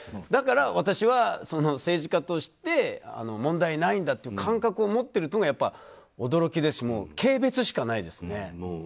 だから私は政治家として問題ないんだという感覚を持ってるというのが驚きですし軽蔑しかないですね。